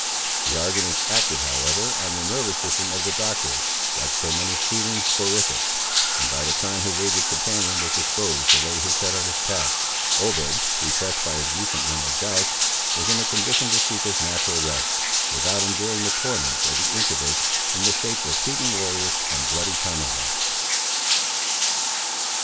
The arguments acted, however, on the nervous system of the Doctor, like so many soothing soporifics, and by the time his aged companion was disposed to lay his head on his pack, Obed, refreshed by his recent mental joust, was in a condition to seek his natural rest, without enduring the torments of the incubus, in the shapes of Teton warriors and bloody tomahawks.